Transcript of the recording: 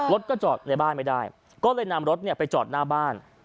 รถก็จอดในบ้านไม่ได้ก็เลยนำรถไปจอดหน้าบ้าน